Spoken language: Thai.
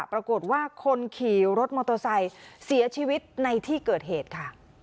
ปรากฏว่าคนขี่รถมอเตอร์ไซค์เสียชีวิตในที่เกิดเหตุค่ะ